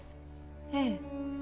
ええ。